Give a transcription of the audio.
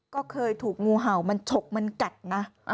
ก็เคยถูกงูเห่ามันฉกมันกัดนะ